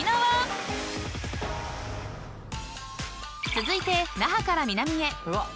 ［続いて那覇から南へ］